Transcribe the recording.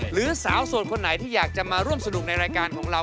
หรือสาวโสดคนไหนที่อยากจะมาร่วมสนุกในรายการของเรา